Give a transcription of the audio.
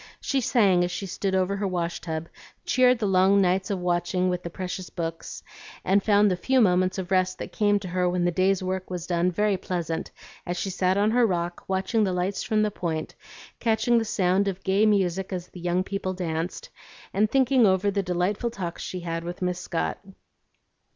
She sang as she stood over her wash tub, cheered the long nights of watching with the precious books, and found the few moments of rest that came to her when the day's work was done very pleasant, as she sat on her rock, watching the lights from the Point, catching the sound of gay music as the young people danced, and thinking over the delightful talks she had with Miss Scott.